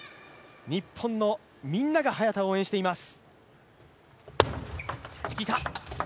日本のみんなが、早田を応援しています。